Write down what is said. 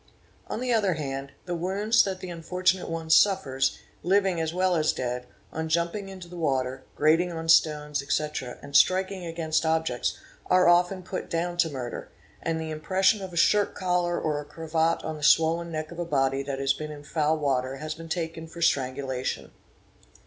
On the other hand the wounds that the unfortunate one suffers, senate ic living as well as dead, on jumping into the water, grating on stones, etc., / and striking against objects, are often put down to murder, and the im " pression of a shirt collar or a cravat on the swollen neck of a body | that has been in foul water has been taken for strangulation.